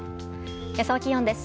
予想気温です。